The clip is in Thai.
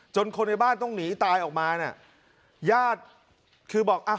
คนในบ้านต้องหนีตายออกมาน่ะญาติคือบอกอ่ะ